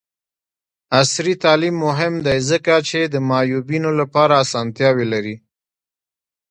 عصري تعلیم مهم دی ځکه چې د معیوبینو لپاره اسانتیاوې لري.